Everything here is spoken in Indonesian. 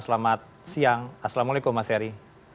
selamat siang assalamualaikum mas heri